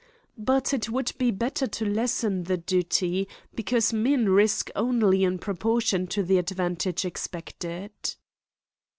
but it would be better to lessen the duty, because men risk only in proportion to the advantage expected.